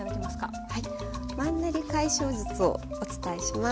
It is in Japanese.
はい「マンネリ解消術」をお伝えします。